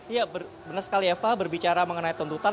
ya benar sekali eva berbicara mengenai tuntutan